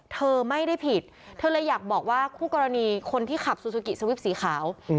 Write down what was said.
เธอไม่ได้ผิดเธอเลยอยากบอกว่าคู่กรณีคนที่ขับซูซูกิสวิปสีขาว